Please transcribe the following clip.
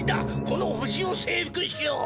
この星を征服しよう！